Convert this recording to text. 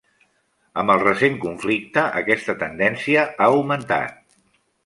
Amb el recent conflicte, aquesta tendència ha augmentat.